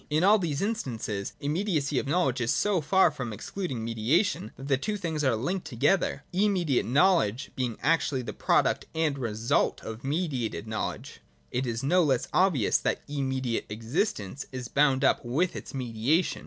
In all these instances, immediacy of know ledge is so far from excluding mediation, that the two things are linked together, — immediate knowledge being actually the product and result of mediated know ledge. It is no less obvious that immediate existence is bound up with its mediation.